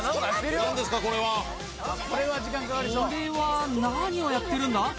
これは何をやってるんだ？